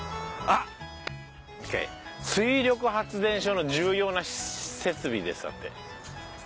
「水力発電所の重要な設備です」だって。